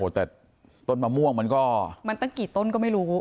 แต่ต้นมะม่วงมันก็มันตั้งกี่ต้นก็ไม่รู้